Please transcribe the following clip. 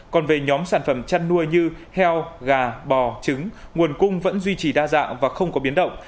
còn về nhóm sản phẩm chăn nuôi như heo gà bò trứng nguồn cung vẫn duy trì đa dạng và không có biến động